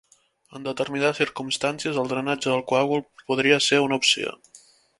En determinades circumstàncies, el drenatge del coàgul podria ser una opció.